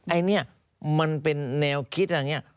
อันนี้มันเป็นแนวคิดอย่างนี้